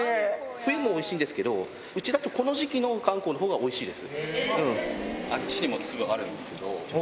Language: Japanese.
冬もおいしいんですけど、うちだとこの時期のアンコウのほうがおいしいです。